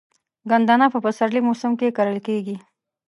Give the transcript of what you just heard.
ګندنه په پسرلي موسم کې کرل کیږي.